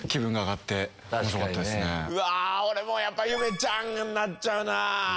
うわ俺もやっぱりゆめちゃんになっちゃうな。